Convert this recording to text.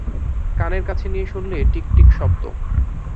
কানের কাছে নিয়ে শুনলে টিকটিক শব্দ।